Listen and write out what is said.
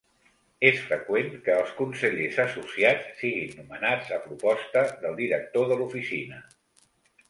És freqüent que els Consellers associats siguin nomenats a proposta del Director de l'Oficina.